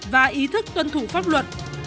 và ý thức tuân thủ pháp luật